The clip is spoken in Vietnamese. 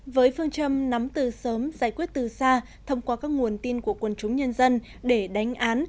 với phương châm nắm từ sớm giải quyết từ xa thông qua các nguồn tin của quân chúng nhân dân để đánh án